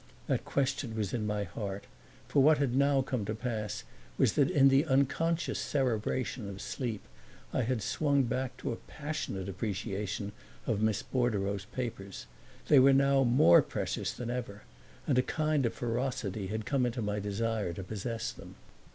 That question was in my heart; for what had now come to pass was that in the unconscious cerebration of sleep I had swung back to a passionate appreciation of Miss Bordereau's papers. They were now more precious than ever, and a kind of ferocity had come into my desire to possess them.